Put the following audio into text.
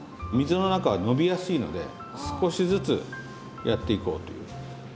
水の中は伸びやすいので少しずつやっていこうという。